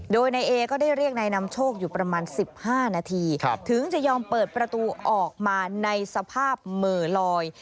โดยนายเอก็ได้เรียกนายนำโชคอยู่ประมาณ๑๕นาทีถึงจะยอมเปิดประตูออกมาในสภาพเหม่อลอย